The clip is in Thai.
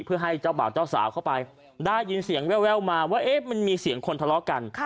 เพื่อให้เจ้าบ่าวเจ้าสาวเข้าไปได้ยินเสียงแววมาว่ามันมีเสียงคนทะเลาะกัน